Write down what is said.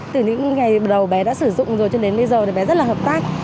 từ những ngày đầu bé đã sử dụng rồi cho đến bây giờ thì bé rất là hợp tác